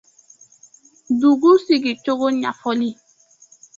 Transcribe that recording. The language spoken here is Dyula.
• Dugu sigicogo ɲafɔli